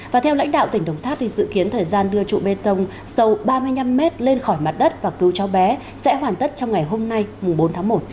và theo lãnh đạo tỉnh đồng tháp dự kiến thời gian đưa trụ bê tông sâu ba mươi năm m lên khỏi mặt đất và cứu cháu bé sẽ hoàn tất trong ngày hôm nay bốn tháng một